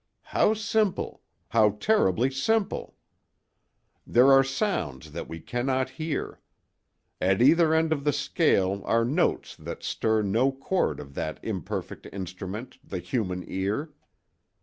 How simple—how terribly simple! "There are sounds that we cannot hear. At either end of the scale are notes that stir no chord of that imperfect instrument, the human ear.